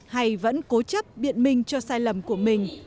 hay vẫn cố chấp biện minh cho sai lầm của mình